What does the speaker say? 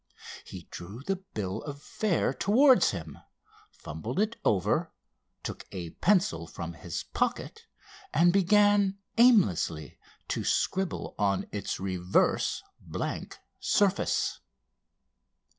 He drew the bill of fare towards him, fumbled it over, took a pencil from his pocket and began aimlessly to scribble on its reverse blank surface.